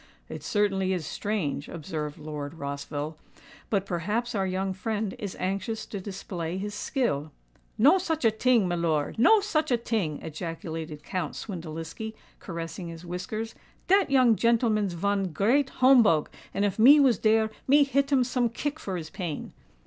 "It certainly is strange," observed Lord Rossville. "But perhaps our young friend is anxious to display his skill——" "No such a ting, milor—no such a ting!" ejaculated Count Swindeliski, caressing his whiskers. "Dat young gentelman's von great homebogue; and if me was dere, me hit him some kick for his pain."